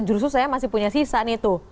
justru saya masih punya sisa nih tuh